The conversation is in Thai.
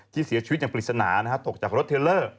เสียชีวิตอย่างปริศนาตกจากรถเทลเลอร์